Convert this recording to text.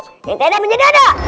kita ada menyedot dong